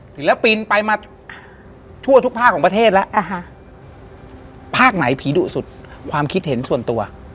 ศิลปินไปมาทั่วทุกภาคของประเทศแล้วภาคไหนผีดุสุดความคิดเห็นส่วนตัว